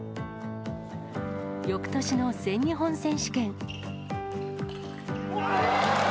よくとしの全日本選手権。